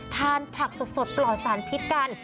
ทานผักสดปลอดสารพิษกัน